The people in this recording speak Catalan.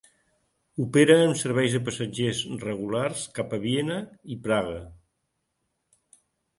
Opera amb serveis de passatgers regulars cap a Viena i Praga.